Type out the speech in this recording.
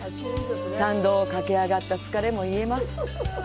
山道を駆け上った疲れも癒えます。